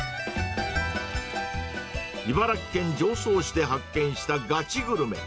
茨城県常総市で発見したガチグルメ。